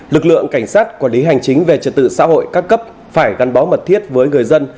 lực lượng cảnh sát quản lý hành chính về trật tự xã hội các cấp phải gắn bó mật thiết với người dân